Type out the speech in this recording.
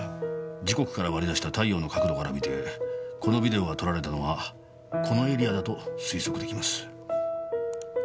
時刻から割り出した太陽の角度から見てこのビデオが撮られたのはこのエリアだと推測できます。